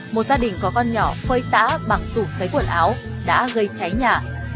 một gia đình có con nhỏ phơi tã bằng tủ xấy quần áo đã gây cháy nhà